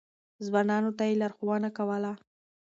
ځوانانو ته يې لارښوونه کوله.